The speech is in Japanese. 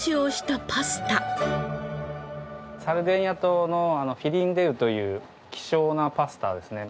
サルデーニャ島のフィリンデウという希少なパスタですね。